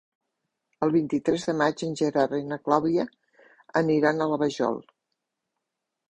El vint-i-tres de maig en Gerard i na Clàudia aniran a la Vajol.